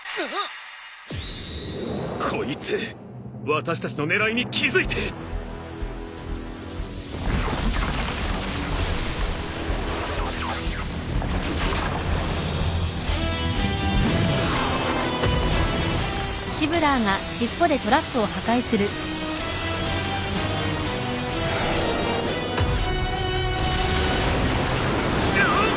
こいつ私たちの狙いに気付いてぐうっ！